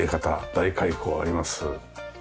大開口があります。